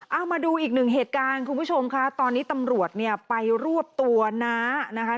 เอามาดูอีกหนึ่งเหตุการณ์คุณผู้ชมค่ะตอนนี้ตำรวจเนี่ยไปรวบตัวน้านะคะ